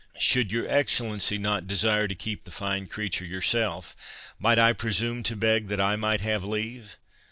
Should your Excellency not desire to keep the fine creature yourself, might I presume to beg that I might have leave?"